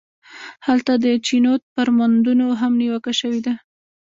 هلته د چینوت پر موندنو هم نیوکه شوې ده.